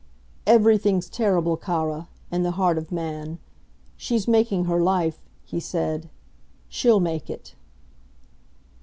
"Everything's terrible, cara, in the heart of man. She's making her life," he said. "She'll make it."